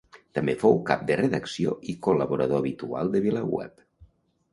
També fou cap de redacció i col·laborador habitual de VilaWeb.